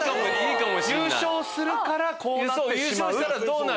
優勝するからこうなってしまう。